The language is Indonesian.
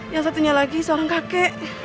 yang satunya lagi seorang kakek